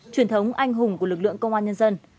truyền thống anh hùng của lực lượng công an nhân dân